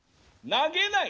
投げない！